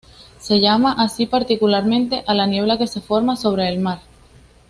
Se llama así particularmente a la niebla que se forma sobre el mar.